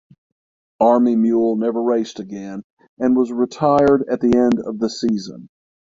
Army Mule never raced again and was retired at the end of the season.